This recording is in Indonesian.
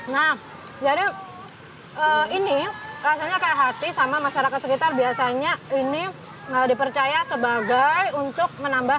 nah jadi ini rasanya kayak hati sama masyarakat sekitar biasanya ini dipercaya sebagai untuk menambah